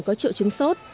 có triệu chứng sốt